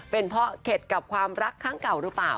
เป็นเพราะเข็ดกับความรักครั้งเก่าหรือเปล่า